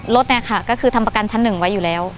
รถเนี่ยค่ะก็คือทำประกันชั้นหนึ่งไว้อยู่แล้ว